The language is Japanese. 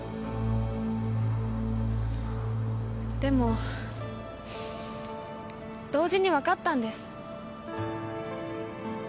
でも同時にわかったんです。